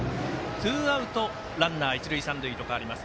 ツーアウト、ランナー、一塁三塁と、変わります。